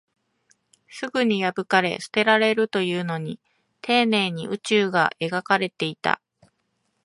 すぐに破かれ、捨てられるというのに、丁寧に宇宙が描かれていた